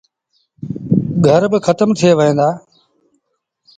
گھر با کتم ٿئي وهيݩ دآ۔